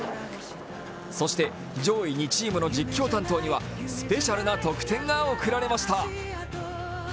そして上位２チームの実況担当にはスペシャルな特典が贈られました。